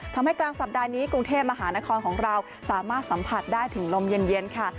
กลางสัปดาห์นี้กรุงเทพมหานครของเราสามารถสัมผัสได้ถึงลมเย็นค่ะ